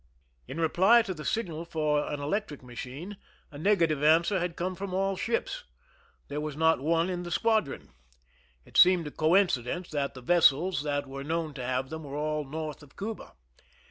In reply to the signal for an electric machine, a negative answer had come from all ships. There was not one in the squadron. It seemed a coinci dence that the vessels that were known to have them were all north of Cuba.